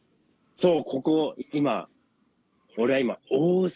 そう。